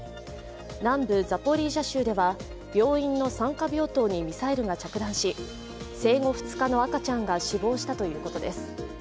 南部ザポリージャ州では病院の産科病棟にミサイルが着弾し生後２日の赤ちゃんが死亡したということです。